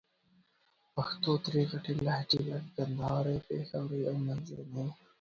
پښتو درې غټ لهجې لرې: کندهارۍ، پېښورۍ او منځني.